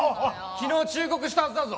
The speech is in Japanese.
昨日忠告したはずだぞ！